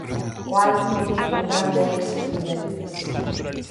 O álbum non tivo un grande éxito de vendas.